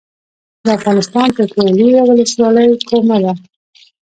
د افغانستان تر ټولو لویه ولسوالۍ کومه ده؟